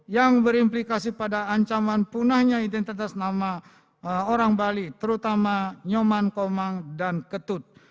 yang berimplikasi pada ancaman punahnya identitas nama orang bali terutama nyoman komang dan ketut